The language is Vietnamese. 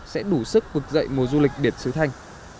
sẽ đủ sức vực dậy mùa du lịch biển sứ thanh